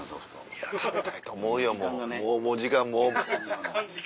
いや食べたいと思うよもうもう時間もう。